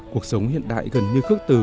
cuộc sống hiện đại gần như khước từ